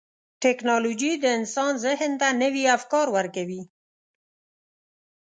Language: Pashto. ټکنالوجي د انسان ذهن ته نوي افکار ورکوي.